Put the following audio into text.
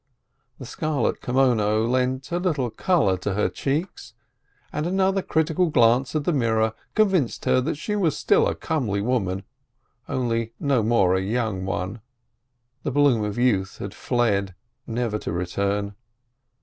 The scarlet kimono lent a little color to her cheeks, and another critical glance at the mirror con vinced her that she was still a comely woman, only no more a young one. The bloom of youth had fled, never to return.